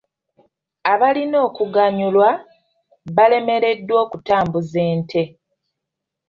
Abalina okuganyulwa baalemereddwa okutambuza ente.